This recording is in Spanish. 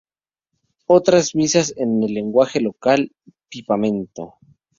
Ofrece misas en el lenguaje local papiamento.